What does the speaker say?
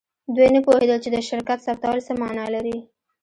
دوی نه پوهیدل چې د شرکت ثبتول څه معنی لري